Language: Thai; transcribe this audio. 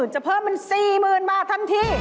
จะเพิ่มเป็น๔๐๐๐บาททันที